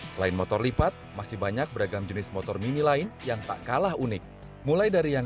selain motor lipat masih banyak beragam jenis motor mini lain yang tak kalah unik mulai dari yang